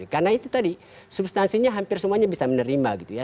karena itu tadi substansinya hampir semuanya bisa menerima gitu ya